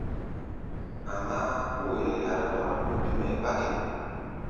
Amáá, kóo hɛ̧ɛ̧ yará ndɔra ɗoŋ bêm hɛ̧ɛ̧ bátɛ.